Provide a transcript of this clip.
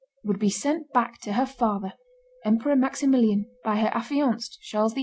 would be sent back to her father, Emperor Maximilian, by her affianced, Charles VIII.